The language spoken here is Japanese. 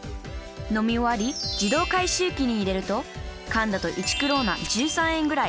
飲み終わり自動回収機に入れると缶だと１クローナ１３円ぐらい。